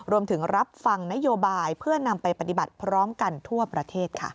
รับฟังนโยบายเพื่อนำไปปฏิบัติพร้อมกันทั่วประเทศค่ะ